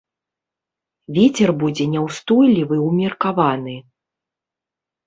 Вецер будзе няўстойлівы ўмеркаваны.